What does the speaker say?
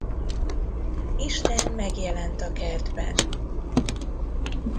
Isten megjelent a kertben.